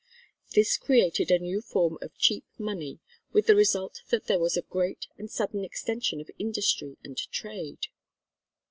This created a new form of cheap money, with the result that there was a great and sudden extension of industry and trade.